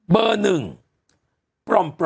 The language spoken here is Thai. เบอร์หนึ่งปร่อม